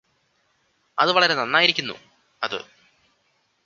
അത് വളരെ നന്നായിരിക്കുന്നു അത്